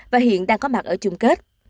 và hiện đang có mặt ở chung kết